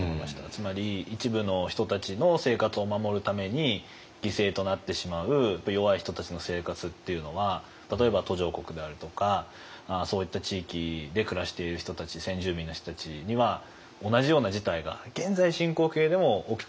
つまり一部の人たちの生活を守るために犠牲となってしまう弱い人たちの生活っていうのは例えば途上国であるとかそういった地域で暮らしている人たち先住民の人たちには同じような事態が現在進行形でも起きている。